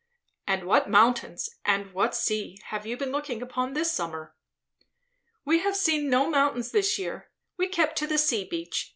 "And what mountains, and what sea, have you been looking upon this summer?" "We have seen no mountains this year; we kept to the sea beach.